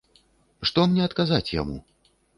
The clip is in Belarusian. Што мне адказаць яму?